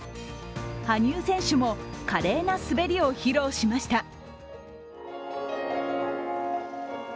羽生選手も華麗な滑りを披露しました。